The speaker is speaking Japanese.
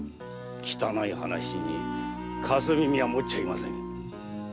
汚い話にかす耳は持っちゃいません。